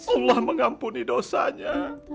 allah mengampuni dosanya